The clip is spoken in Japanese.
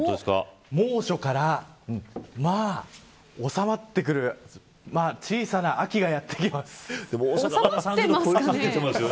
猛暑が収まってきて小さな秋がやってきます。